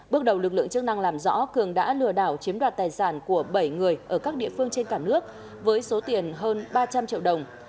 bước đầu lực lượng chức năng làm rõ cường đã lừa đảo chiếm đoạt tài sản của bảy người ở các địa phương trên cả nước với số tiền hơn ba trăm linh triệu đồng